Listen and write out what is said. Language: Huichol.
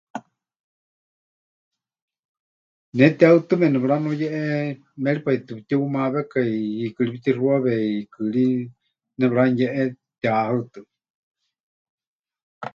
Ne tihaɨtɨme nepɨranuyéʼe, méripai tɨ pɨtiumaawekai, hiikɨ ri pɨtixuawe, hiikɨ ri nepɨranuyéʼe tihahaɨtɨme.